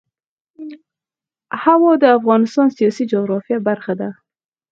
هوا د افغانستان د سیاسي جغرافیه برخه ده.